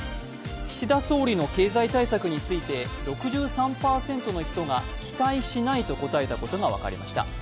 岸田総理の経済対策について６３％の人が期待しないと答えたことが分かりました。